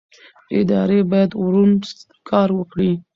ادارې باید روڼ کار وکړي